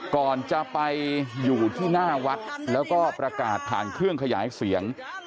ก่อนจะไปอยู่ที่หน้าวัดแล้วก็ประกาศผ่านเครื่องขยายเสียง